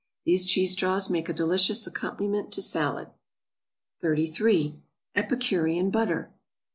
These cheese straws make a delicious accompaniment to salad. 33. =Epicurean Butter.